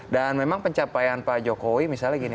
dan memang pencapaian pak jokowi misalnya gini